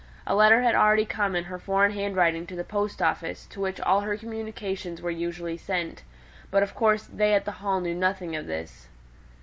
One from her had already come, in her foreign handwriting, to the post office to which all her communications were usually sent, but of course they at the Hall knew nothing of this.